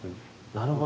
なるほど。